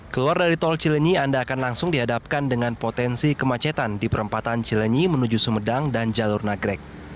keluar dari tol cilenyi anda akan langsung dihadapkan dengan potensi kemacetan di perempatan cilenyi menuju sumedang dan jalur nagrek